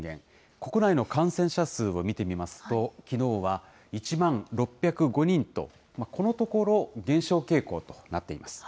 国内の感染者数を見てみますと、きのうは１万６０５人と、このところ減少傾向となっています。